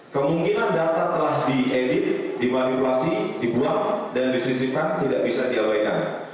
kemungkinan data telah diedit dimanipulasi dibuang dan disisipkan tidak bisa diabaikan